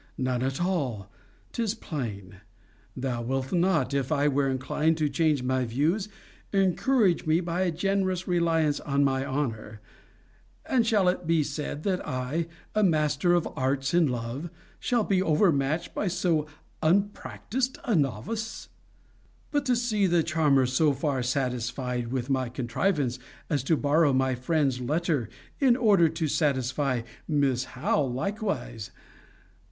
None at all, 'tis plain. Thou wilt not, if I were inclined to change my views, encourage me by a generous reliance on my honour! And shall it be said that I, a master of arts in love, shall be overmatched by so unpractised a novice? But to see the charmer so far satisfied with my contrivance as to borrow my friend's letter, in order to satisfy Miss Howe likewise